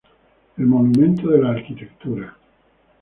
El monumento de la arquitectura.